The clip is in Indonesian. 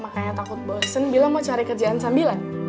makanya takut bosen bilang mau cari kerjaan sambilan